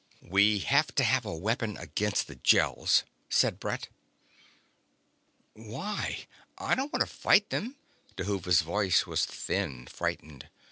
"We have to have a weapon against the Gels," said Brett. "Why? I don't want to fight them." Dhuva's voice was thin, frightened.